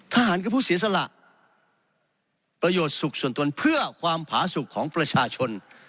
ทหารคือผู้เสียสละประโยชน์สุขส่วนตนเพื่อความผาสุขของประชาชน